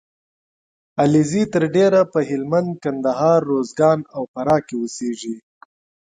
علیزي تر ډېره په هلمند ، کندهار . روزګان او فراه کې اوسېږي